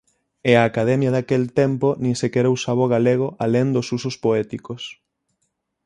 E a Academia daquel tempo nin sequera usaba o galego alén dos usos poéticos.